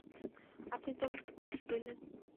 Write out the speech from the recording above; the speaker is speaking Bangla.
আপনি তো আমাকে কষ্ট দিলেন।